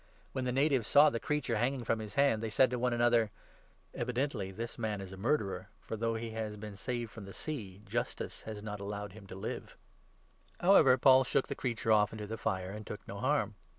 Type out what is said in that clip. When the natives saw the creature hanging from his hand, 4 they said to one another :" Evidently this man is a murderer, for, though he has been saved from the sea, Justice has not allowed him to live." 268 THE ACTS, 28. However, Paul shook the creature off into the fire and took no 5 harm.